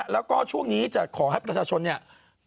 แล้วก็ช่วงนี้จะขอให้ประชาชนเนี่ย